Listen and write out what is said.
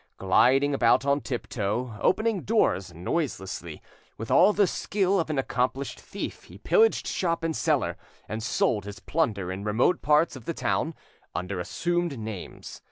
Gliding about on tiptoe, opening doors noiselessly, with all the skill of an accomplished thief, he pillaged shop and cellar, and sold his plunder in remote parts of the town under assumed names.